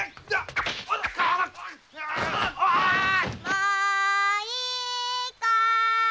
もういいかーい。